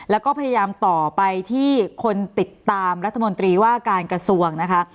แล้วก็พยายามต่อไปที่คนติดตามรัฐมนตรีว่าการกระทรวงนะคะ